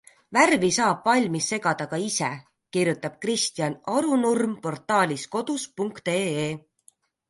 Värvi saab valmi segada ka ise, kirjutab Kristjan Arunurm portaalis kodus.ee.